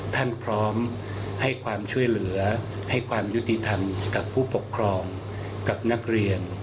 พร้อมให้ความช่วยเหลือให้ความยุติธรรมกับผู้ปกครองกับนักเรียน